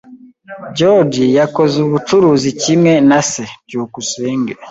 George yakoze ubucuruzi kimwe na se. byukusenge